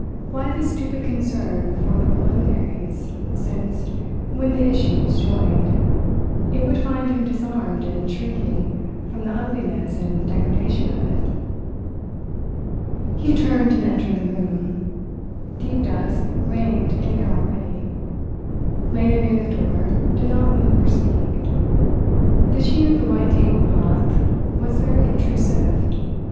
Why this stupid concern for the preliminaries, since, when the issue was joined, it would find him disarmed and shrinking from the ugliness and degradation of it? He turned and entered the room. Deep dusk reigned in there already. Lena, near the door, did not move or speak. The sheen of the white tablecloth was very obtrusive.